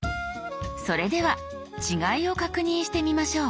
それでは違いを確認してみましょう。